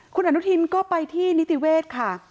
คุณอนุทินก็ไปที่นิติเวศค่ะ